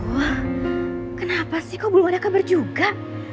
wah kenapa sih kok belum ada kabar juga